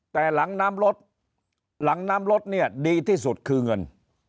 แต่หลังน้ำรถหลังน้ำรถเนี่ยดีที่สุดคือเงิน